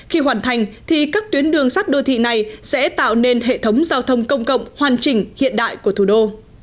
khi hoàn thành thì các tuyến đường sắt đô thị này sẽ tạo nên hệ thống giao thông công cộng hoàn chỉnh hiện đại của thủ đô